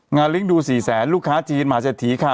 งานเลี้ยงดู๔๐๐๐๐๐ลูกค้าจีนหมาเจฐีค่ะ